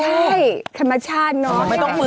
ใช่ขันมชาติเนาะ